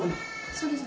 そうです。